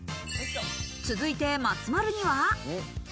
続いて松丸には。